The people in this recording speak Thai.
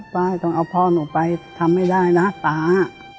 ป๊าต้องเอาพ่อหนูไปทำไม่ได้นะป๊า